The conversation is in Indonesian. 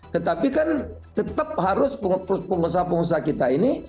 tetapi kan tetap harus pengusaha pengusaha kita ini